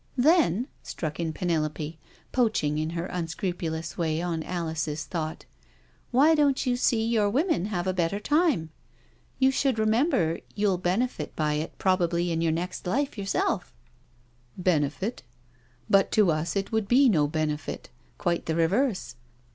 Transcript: " Then,'* struck in Penelope, poaching in her unscru pulous way on Alice's thought, " why don't you see your women have a better time? You should remember you'll benefit by it probably in your next life yourself.'* 316 NO SURRENDER " Benefit? But to us it would be no benefit, quite the reverse.